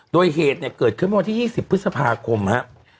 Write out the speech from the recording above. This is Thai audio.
โดยเหตุเนี่ยเกิดขึ้นเมื่อวันที่๒๐พฤษภาคมครับ